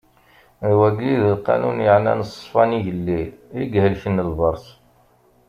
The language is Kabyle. D wagi i d lqanun yeɛnan ṣṣfa n igellil i ihelken lberṣ.